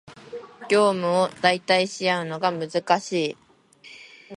業務を代替し合うのが難しい